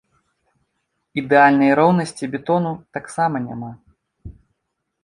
Ідэальнай роўнасці бетону таксама няма.